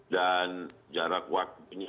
dan jarak waktu ini akan nanti yang akan selesai